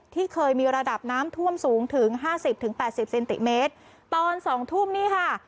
ที่เคยมีระดับน้ำท่วมสูงถึงห้าสิบถึงแปดสิบเซนติเมตรตอนสองทุ่มนี่ค่ะ